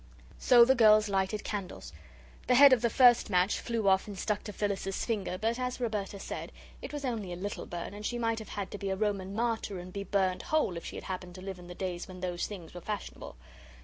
So the girls lighted candles. The head of the first match flew off and stuck to Phyllis's finger; but, as Roberta said, it was only a little burn, and she might have had to be a Roman martyr and be burned whole if she had happened to live in the days when those things were fashionable.